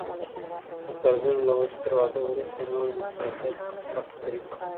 د قرضونو له وجهي تر واده وروسته نوی موټرسايکل خرڅ کړي